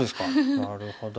なるほど。